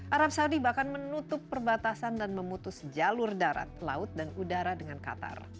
arab saudi bahkan menutup perbatasan dan memutus jalur darat laut dan udara dengan qatar